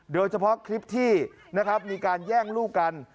โดยเฉพาะคลิปที่นะครับมีการแย่งลูกกัน